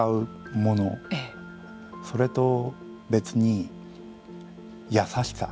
それと別に優しさ。